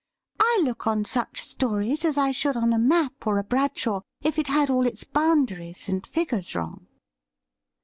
I look on such stories as I should on a map or a Bradshaw if it had all its boundaries and figures wrong.'